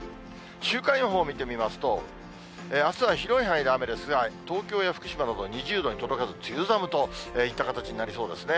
週間予報見てみますと、あすは広い範囲で雨ですが、東京や福島など２０度に届かず、梅雨寒といった形となりそうですね。